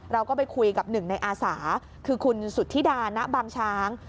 เราก็ไปคุยกับหนึ่งในอาสาคือคุณสุธิดาณบางช้าง